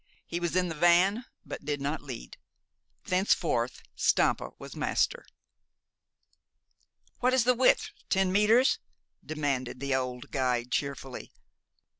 He was in the van, but did not lead. Thenceforth Stampa was master. "What is the width ten meters?" demanded the old guide cheerfully.